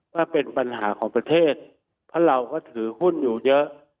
ว่าเป็นปัญหาของประเทศเพราะเราก็ถือหุ้นอยู่เยอะ